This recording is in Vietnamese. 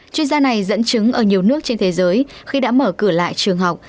chuyên gia này dẫn chứng ở nhiều nước trên thế giới khi đã mở cửa lại trường học